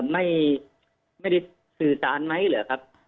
ไม่ได้สื่อสารไหมเหรอครับ